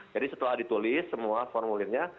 jadi setelah ditulis semua formulirnya